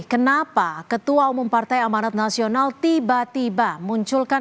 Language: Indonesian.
kenapa ketua umum partai amanat nasional tiba tiba munculkan